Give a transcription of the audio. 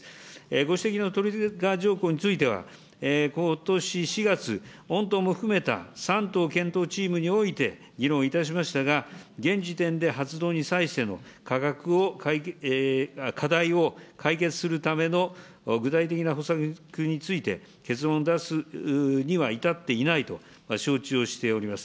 ご指摘のトリガー条項については、ことし４月、御党も含めた３党検討チームにおいて議論いたしましたが、現時点で発動に際しての価格を、課題を解決するための具体的なほそくについて結論を出すには至っていないと承知をしております。